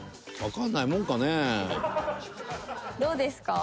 どうですか？